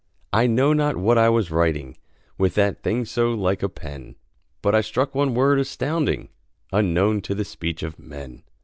I know not what I was writing, With that thing so like a pen; But I struck one word astounding Unknown to the speech of men.